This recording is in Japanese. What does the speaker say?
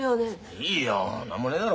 いいよ何もねえだろうよ。